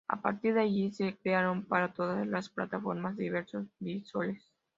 A partir de ahí, se crearon, para todas las plataformas, diversos visores.